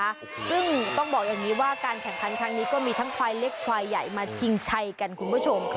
ซึ่งต้องบอกอย่างนี้ว่าการแข่งขันครั้งนี้ก็มีทั้งควายเล็กควายใหญ่มาชิงชัยกันคุณผู้ชม